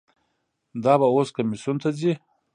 دا به اوس کمیسیون ته ځي.